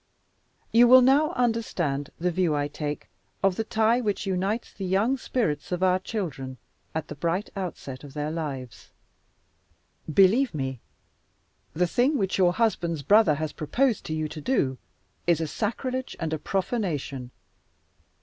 "You will now understand the view I take of the tie which unites the young spirits of our children at the bright outset of their lives. "Believe me, the thing which your husband's brother has proposed to you to do is a sacrilege and a profanation.